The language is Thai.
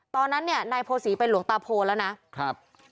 ตอนนั้นเนี่ยนายโภษีเป็นหลวงตาโพแล้วนะครับ